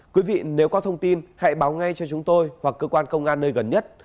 quý vị nếu có thông tin hãy báo ngay cho chúng tôi hoặc cơ quan công an nơi gần nhất